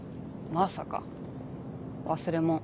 まさか忘れ物。